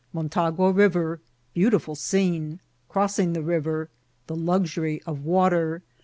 — MoUgna River. —Beaatiful Scene.— Croanng the RiTer.— The Luxury of Water.